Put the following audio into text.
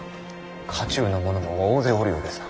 家中の者も大勢おるようですな。